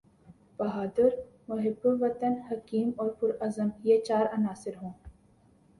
بہادر، محب وطن، حکیم اور پرعزم یہ چار عناصر ہوں۔